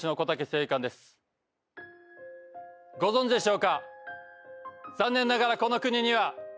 ご存じでしょうか？